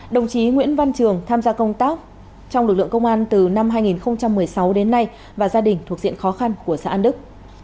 đồng chí nguyễn văn trường tham gia công tác trong lực lượng công an từ năm hai nghìn một mươi sáu đến nay và gia đình thuộc diện khó khăn của xã an đức